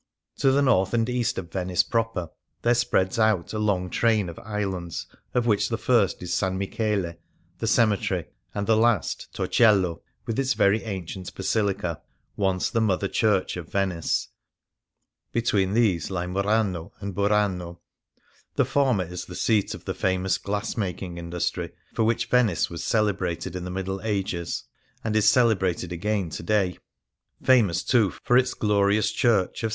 To the north and east of Venice proper there spreads out a long train of islands, of which the first is San Michele, the cemetery^ and the last Torcello, with its very ancient basilica, once the mother church of Venice. Between these lie Murano and Burano. The former is the seat of the famous glassmaking industry for which Venice was celebrated in the Middle Ages, and is celebrated again to day ; famous, too, for its glorious church of SS.